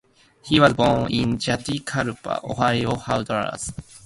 He was born in Juticalpa, Olancho, Honduras.